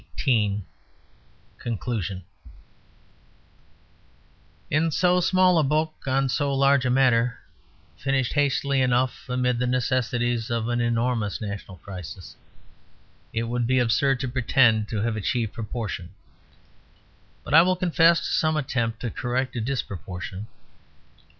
XVIII CONCLUSION In so small a book on so large a matter, finished hastily enough amid the necessities of an enormous national crisis, it would be absurd to pretend to have achieved proportion; but I will confess to some attempt to correct a disproportion.